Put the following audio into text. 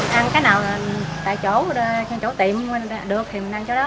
còn khi ăn uống thì mình ăn cái nào tại chỗ tiệm được thì mình ăn chỗ đó